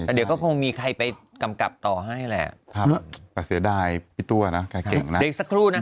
แต่เดี๋ยวก็คงมีใครไปกำกับต่อให้แหละแต่เสียดายพี่ตัวนะใครเก่งนะอีกสักครู่นะคะ